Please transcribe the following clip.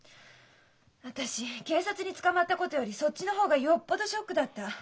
私警察に捕まったことよりそっちの方がよっぽどショックだった。